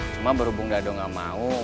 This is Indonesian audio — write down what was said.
cuma berhubung dado gak mau